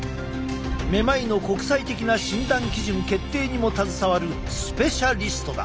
めまいの国際的な診断基準決定にも携わるスペシャリストだ！